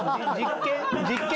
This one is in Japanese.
実験？